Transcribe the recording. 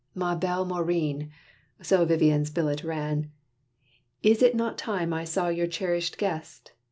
"Ma Belle Maurine:" (so Vivian's billet ran,) "Is it not time I saw your cherished guest?